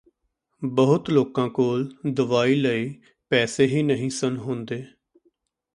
ਬਹੁਤ ਲੋਕਾਂ ਕੋਲ ਦਵਾਈ ਲਈ ਪੈਸੇ ਹੀ ਨਹੀਂ ਸਨ ਹੁੰਦੇ